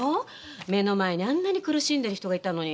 目の前にあんなに苦しんでる人がいたのに。